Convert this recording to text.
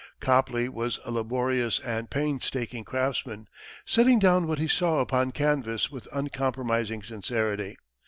Copley was a laborious and painstaking craftsman, setting down what he saw upon canvas with uncompromising sincerity.